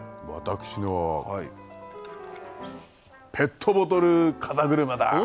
私のはペットボトル風車だ。